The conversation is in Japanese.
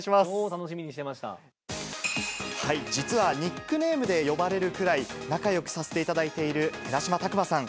はい、実はニックネームで呼ばれるくらい、仲よくさせていただいている、寺島拓篤さん。